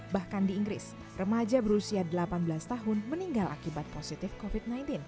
bahkan di inggris remaja berusia delapan belas tahun meninggal akibat positif covid sembilan belas